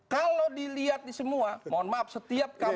kalau dilihat di semua mohon maaf setiap kampanye